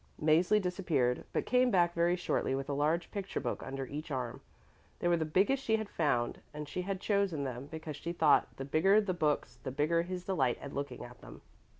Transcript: Mäzli disappeared but came back very shortly with a large picture book under each arm. They were the biggest she had found and she had chosen them because she thought: The bigger the books, the bigger his delight at looking at them.